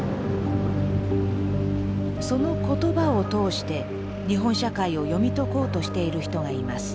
その言葉を通して日本社会を読み解こうとしている人がいます。